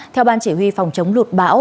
theo ban chỉ huy phòng chống lụt bão